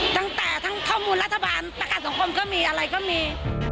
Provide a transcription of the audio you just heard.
ตั้งแต่ทั้งข้อมูลรัฐบาลประกันสังคมก็มีอะไรก็มี